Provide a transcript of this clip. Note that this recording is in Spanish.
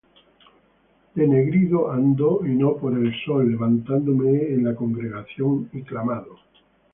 Denegrido ando, y no por el sol: Levantádome he en la congregación, y clamado.